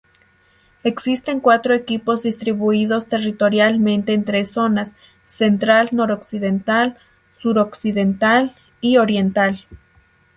Existen cuatro equipos distribuidos territorialmente en tres zonas: central-noroccidental, suroccidental y oriental.